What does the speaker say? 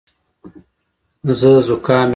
زه زکام یم.